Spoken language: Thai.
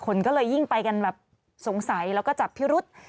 คนก็เลยยิ่งไปกันแบบสงสัยแล้วก็จับพิรุษ